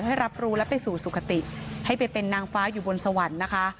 ให้รับรู้และไปสู่สุขติให้ไปเป็นนางฟ้าอยู่บนสวรรค์นะคะ